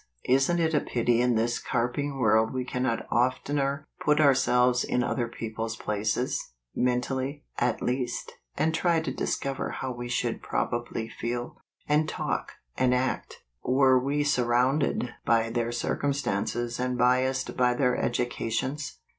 Isn't it a pity in this carping world we cannot oftener put ourselves in other people's places, mentally, at least, and try to discover how we should probably feel, and talk, and act, were we surrounded by their circumstances and biased by their educations